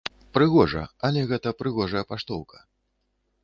Прыгожа, але гэта прыгожая паштоўка.